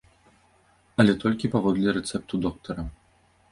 Але толькі паводле рэцэпту доктара.